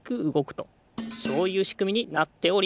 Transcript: そういうしくみになっております。